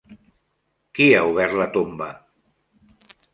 Qui ha obert la tomba?